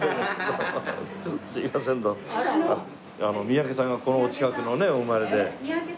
三宅さんがこのお近くのお生まれで。